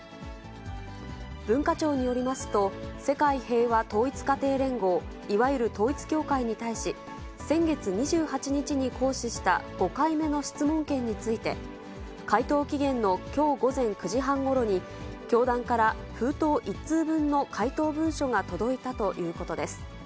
文化庁によりますと、世界平和統一家庭連合、いわゆる統一教会に対し、先月２８日に行使した５回目の質問権について、回答期限のきょう午前９時半ごろに、教団から封筒１通分の回答文書が届いたということです。